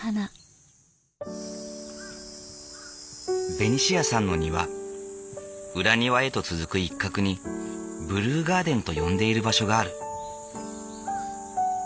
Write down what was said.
ベニシアさんの庭裏庭へと続く一角にブルーガーデンと呼んでいる場所がある。